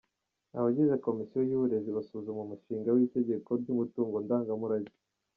Abagize komisiyo y’uburezi basuzuma umushinga w’itegeko ry’umutungo ndangamurage.